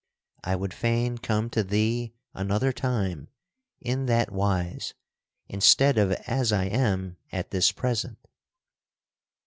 I would fain come to thee another time in that wise instead of as I am at this present."